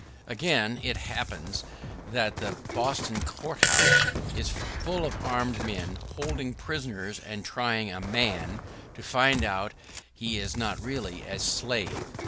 [¶3] Again it happens that the Boston Court House is full of armed men, holding prisoner and trying a man, to find out if he is not really a slave.